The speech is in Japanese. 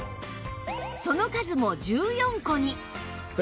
その数も１４個に